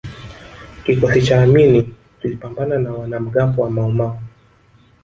kikosi cha amini kilipambana na wanamgambo wa maumau